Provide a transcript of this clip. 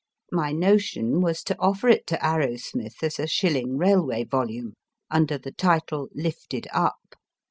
My notion was to offer it to Arrowsmith as a shilling railway volume, under the title Lifted Up.